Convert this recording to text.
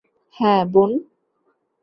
হ্যাঁ, বোন?